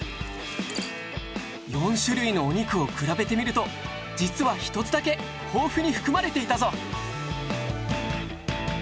４種類のお肉を比べてみると実は１つだけ豊富に含まれていたぞ！